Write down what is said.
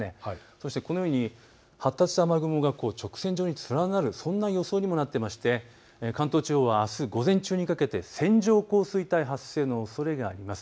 そしてこのように発達した雨雲が直線状に連なる予想にもなっていて関東地方はあす午前中にかけて線状降水帯の発生のおそれがあります。